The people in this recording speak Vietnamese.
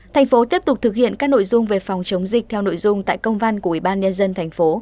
thành phố tiếp tục thực hiện các nội dung về phòng chống dịch theo nội dung tại công văn của ubnd tp